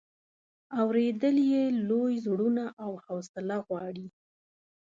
اورېدل یې لوی زړونه او حوصله غواړي.